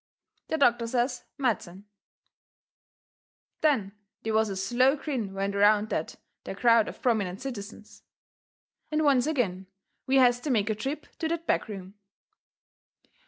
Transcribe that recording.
The doctor says medicine. Then they was a slow grin went around that there crowd of prominent citizens. And once agin we has to make a trip to that back room.